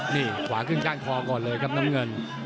นี่ขวาขึ้นก้านคอก่อนเลยครับน้ำเงิน